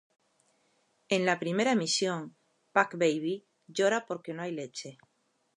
En la primera misión, Pac-Baby llora porque no hay leche.